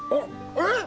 えっ！？